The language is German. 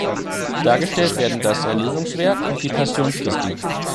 Dargestellt werden das Erlösungswerk und die Passion Christi.